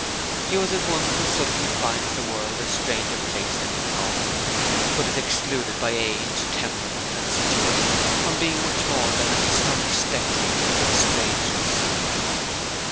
He was as one who suddenly finds the world a stranger place than he thought; but is excluded by age, temperament, and situation from being much more than an astonished spectator of its strangeness.